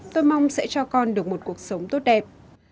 tôi mong sẽ cho con được một cuộc sống tốt đẹp